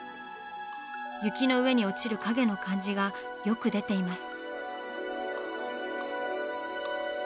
雪の上に落ちる影の感じがよく出ています。